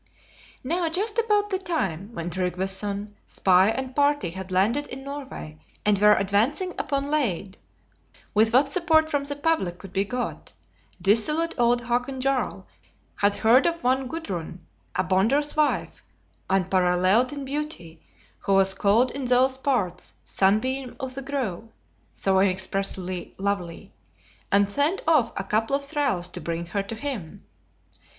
Now just about the time when Tryggveson, spy, and party had landed in Norway, and were advancing upon Lade, with what support from the public could be got, dissolute old Hakon Jarl had heard of one Gudrun, a Bonder's wife, unparalleled in beauty, who was called in those parts, "Sunbeam of the Grove" (so inexpressibly lovely); and sent off a couple of thralls to bring her to him.